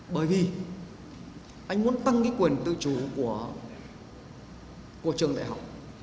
bởi vì anh muốn tăng cái quyền tự chủ của trường đại học